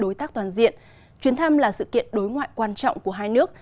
đối tác toàn diện chuyến thăm là sự kiện đối ngoại quan trọng của hai nước